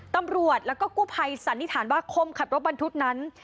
ตำรวจแล้วก็กู้ภัยสันนิษฐานว่าคนขับรถบรรทุกนั้น